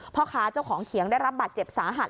พ่อค้าเจ้าของเขียงได้รับบาดเจ็บสาหัส